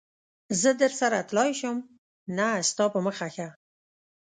زه درسره تللای شم؟ نه، ستا په مخه ښه.